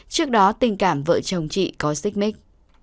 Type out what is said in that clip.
trước đó tình cảm vợ chồng chị có xích mít